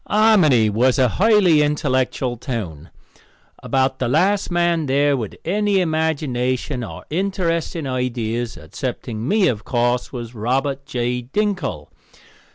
Harmony was a highly intellectual town. About the last man there with any imagination or interesting ideas, excepting me, of course, was Robert J. Dinkle.